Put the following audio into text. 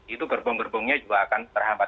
itu gerbong gerbongnya juga akan terhambat